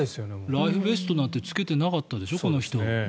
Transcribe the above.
ライフベストなんて着けてなかったでしょ、この人。